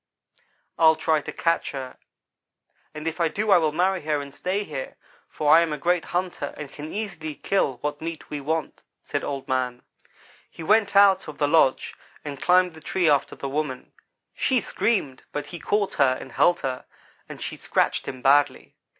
"'I'll try to catch her, and if I do I will marry her and stay here, for I am a great hunter and can easily kill what meat we want,' said Old man. "He went out of the lodge and climbed the tree after the woman. She screamed, but he caught her and held her, although she scratched him badly.